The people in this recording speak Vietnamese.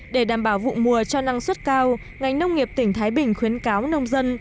để đảm bảo vụ mùa cho năng suất cao ngành nông nghiệp tỉnh thái bình khuyến cáo nông dân